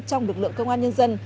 trong lực lượng công an nhân dân